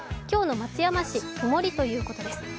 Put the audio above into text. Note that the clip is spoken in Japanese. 今日の松山市、曇りということです